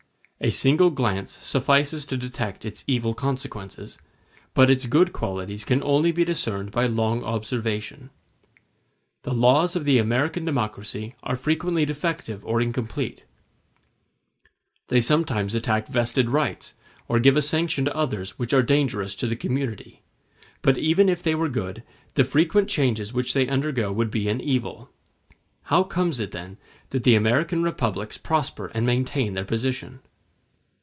A single glance suffices to detect its evil consequences, but its good qualities can only be discerned by long observation. The laws of the American democracy are frequently defective or incomplete; they sometimes attack vested rights, or give a sanction to others which are dangerous to the community; but even if they were good, the frequent changes which they undergo would be an evil. How comes it, then, that the American republics prosper and maintain their position?